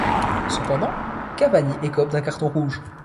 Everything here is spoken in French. Cependant Cavani écope d'un carton rouge.